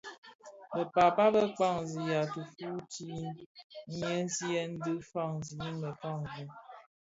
Bë pääpa bë kpaňzigha tifuu ti ghemzyèn dhi faňzi mekangi.